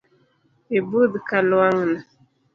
Ibuth kalwangni